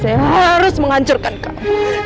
saya harus menghancurkan kamu